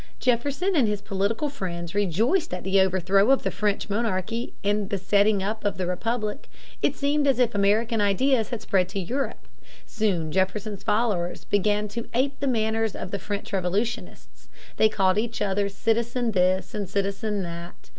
Jefferson and his political friends rejoiced at the overthrow of the French monarchy and the setting up of the Republic. It seemed as if American ideas had spread to Europe. Soon Jefferson's followers began to ape the manners of the French revolutionists. They called each other Citizen this and Citizen that.